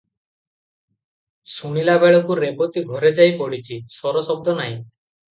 ଶୁଣିଲା ବେଳୁ ରେବତୀ ଘରେ ଯାଇ ପଡ଼ିଛି, ସୋର ଶବ୍ଦ ନାହିଁ ।